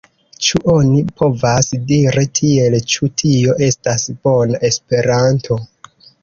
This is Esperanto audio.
Ĉu oni povas diri tiel, ĉu tio estas bona Esperanto?